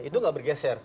itu enggak bergeser